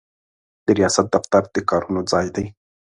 د ریاست دفتر د کارونو ځای دی.